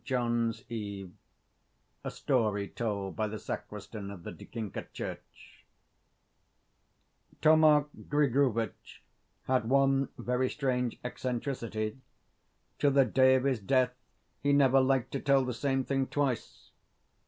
JOHN'S EVE A STORY TOLD BY THE SACRISTAN OF THE DIKANKA CHURCH Thoma Grigorovitch had one very strange eccentricity: to the day of his death he never liked to tell the same thing twice.